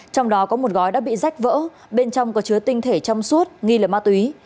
trong đó có một gói đã bị rách vỡ bên trong có chứa tinh thể trong suốt nghi là ma túy